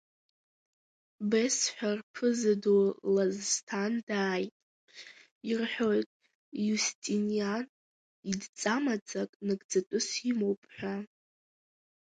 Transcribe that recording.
Бес ҳәа рԥыза ду Лазсҭан дааит, ирҳәоит Иустиниан идҵа-маӡак нагӡатәыс имоуп ҳәа.